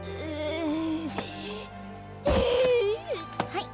はい。